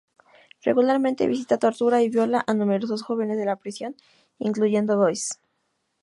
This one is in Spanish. Regularmente visita, tortura y viola a numerosos jóvenes de la prisión, incluyendo a Guys.